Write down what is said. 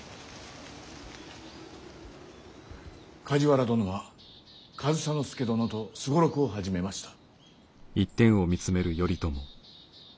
梶原殿は上総介殿と双六を始めました。